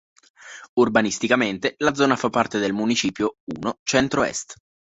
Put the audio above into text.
Urbanisticamente la zona fa parte del Municipio I Centro-Est.